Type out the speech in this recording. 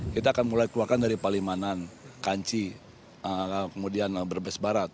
kita akan mulai keluarkan dari palimanan kanci kemudian berbes barat